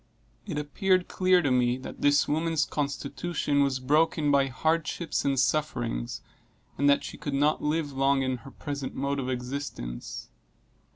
It appeared clear to me that this woman's constitution was broken by hardships and sufferings, and that she could not live long in her present mode of existence.